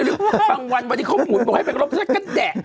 หรือวันที่เขาหมุนบอกให้เป็นกองรอบชาติก็แหด่ะ